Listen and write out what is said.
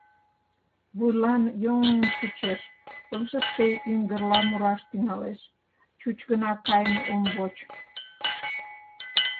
Вуйлан йоҥ-ҥ чучеш, пылышыште йыҥгырла мураш тӱҥалеш, чуч гына каен ом воч...